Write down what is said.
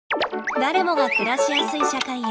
誰もが暮らしやすい社会へ。